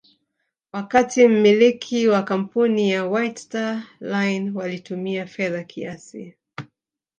wakati mmiliki wa kampuni ya White Star Line walitumia fedha kiasi